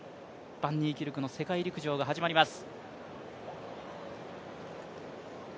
バンニーキルクの世界陸上が始まります。